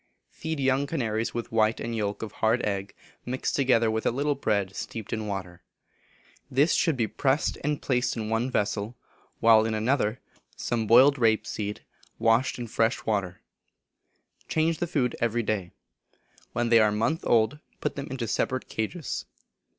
Feed young canaries with white and yolk of hard egg, mixed together with a little bread steeped in water. This should be pressed and placed in one vessel, while in another should be put some boiled rape seed, washed in fresh water. Change the food every day. When they are a month old, put them into separate cages.